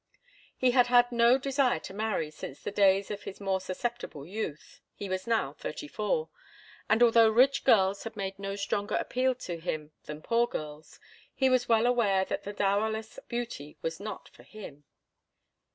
He had had no desire to marry since the days of his more susceptible youth—he was now thirty four—and, although rich girls had made no stronger appeal to him than poor girls, he was well aware that the dowerless beauty was not for him.